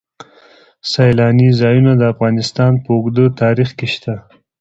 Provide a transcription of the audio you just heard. سیلاني ځایونه د افغانستان په اوږده تاریخ کې شته.